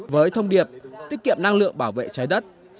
với thông điệp tiết kiệm năng lượng bảo vệ trái đất